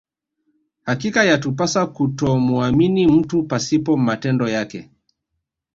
Hakika yatupasa kutomuamini mtu pasipo matendo yake